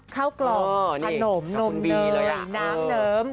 ข้าวกล่องขนมขนมเนิมน้ำเนิม